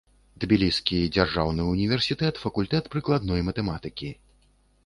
Тбіліскі дзяржаўны ўніверсітэт, факультэт прыкладной матэматыкі.